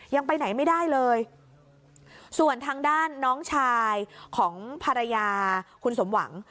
ยังไปไหนไม่ได้เลยส่วนทางด้านน้องชายของภรรยาคุณสมหวัง